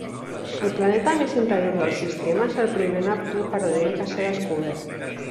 El planeta més interior del sistema és el primer Neptú ardent que s'ha descobert.